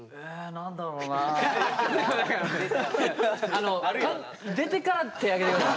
あの出てから手挙げてください。